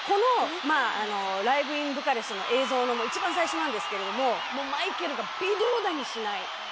『ライヴ・イン・ブカレスト』の映像の一番最初なんですけれどもマイケルが微動だにしない。